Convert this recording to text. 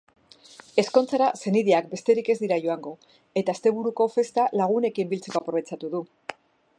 Ezkontzara senideak besterik ez dirajoango eta asteburuko festa lagunekin biltzeko aprobetxatu du.